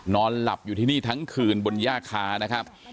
นอนหลับอยู่ที่นี่ทั้งคืนบนย่าคานะครับ